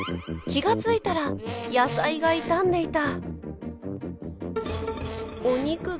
気が付いたら野菜が傷んでいた。